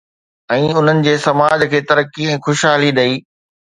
۽ انهن جي سماج کي ترقي ۽ خوشحالي ڏئي